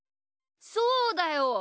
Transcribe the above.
そうだよ！